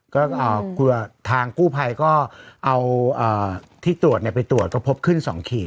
ก็กลัวทางกู้ภัยก็เอาที่ตรวจไปตรวจก็พบขึ้น๒ขีด